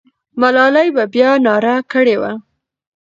ملالۍ به بیا ناره کړې وه.